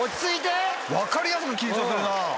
分かりやすく緊張するなぁ。